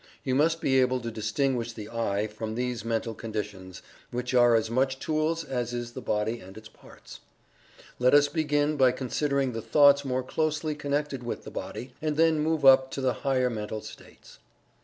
You must be able to distinguish the "I" from these mental conditions, which are as much tools as is the body and its parts. Let us begin by considering the thoughts more closely connected with the body, and then work up to the higher mental states.